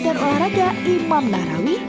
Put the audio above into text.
dan olahraga imam narawi